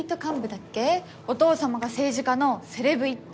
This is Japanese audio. お父様が政治家のセレブ一家！